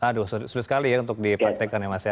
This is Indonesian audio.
aduh sulit sekali ya untuk dipraktekkan ya mas ya